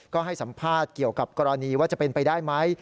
ก็ให้สัมภาษณ์เกี่ยวกับกรณีว่าจะเป็นไปได้ไหม